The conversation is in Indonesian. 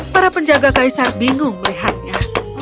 para penjaga kaisar bingung melihatnya